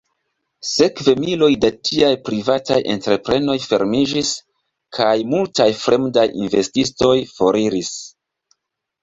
Sekve miloj da tiaj privataj entreprenoj fermiĝis kaj multaj fremdaj investistoj foriris.